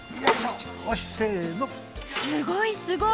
すごい！